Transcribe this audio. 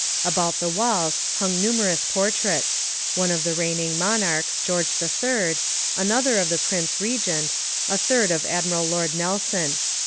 About the walls hung numerous portraits one of the reigning monarch, George III, another of the Prince Regent, a third of Admiral Lord Nelson.